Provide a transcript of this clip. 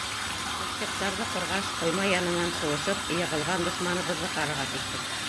Мушкеттарҙы ҡорғас, ҡойма янынан шыуышып, йығылған дошманыбыҙҙы ҡарарға киттек.